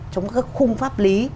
trong các khung pháp lý